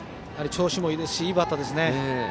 調子もいいですしいいバッターですね。